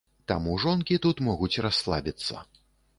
Таму жонкі тут могуць расслабіцца.